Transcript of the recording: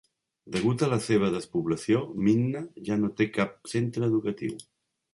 Degut a la seva despoblació, Minna ja no té cap centre educatiu.